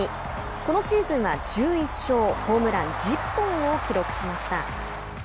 このシーズンは１１勝ホームラン１０本を記録しました。